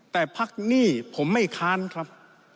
แต่พักหนี้ผมไม่ค้านครับ